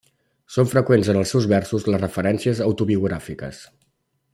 Són freqüents en els seus versos les referències autobiogràfiques.